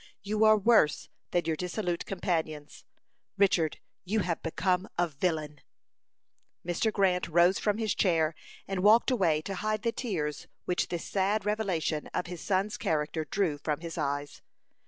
You are worse than your dissolute companions. Richard, you have become a villain!" Mr. Grant rose from his chair and walked away to hide the tears which this sad revelation of his son's character drew from his eyes.